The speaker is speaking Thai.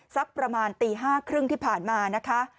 สักประมาณตี๕๓๐ที่ผ่านมานะคะ